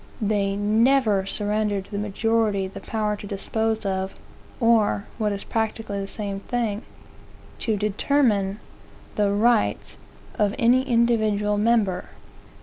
They never surrender to the majority the power to dispose of; or, what is practically the same thing, to determine, the rights of any individual member.